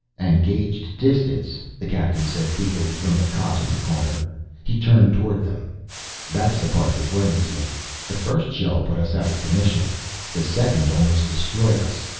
"And gauged distance," the Captain said feebly from the cot in the corner. He turned toward them. "That's the part that worries me. The first shell put us out of commission, the second almost destroyed us.